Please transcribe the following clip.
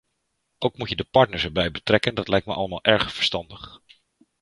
Ook moet je de partners erbij betrekken, dat lijkt me allemaal erg verstandig.